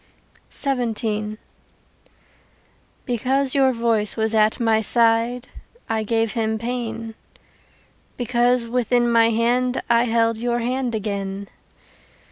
XVII Because your voice was at my side I gave him pain, Because within my hand I held Your hand again.